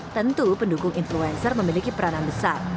tentu pendukung influencer memiliki peranan besar